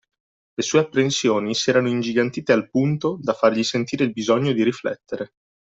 Le sue apprensioni s'erano ingigantite al punto, da fargli sentire il bisogno di riflettere